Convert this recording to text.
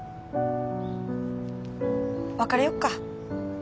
別れよっか。